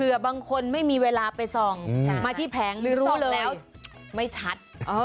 บางคนไม่มีเวลาไปส่องมาที่แผงร่วงแล้วไม่ชัด